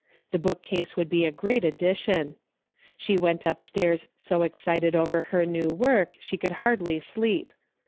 The bookcase would be a great addition. She went upstairs so excited over her new work she could hardly sleep.